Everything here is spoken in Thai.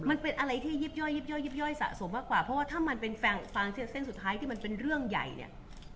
มันเป็นอะไรที่ยิบย่อยิบย่อยิบย่อยสะสมมากกว่าเพราะว่าถ้ามันเป็นฟังเส้นสุดท้ายที่มันเป็นเรื่องใหญ่เนี่ย